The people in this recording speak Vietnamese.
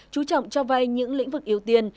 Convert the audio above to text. chú trọng cho vai những lĩnh vực yếu tiên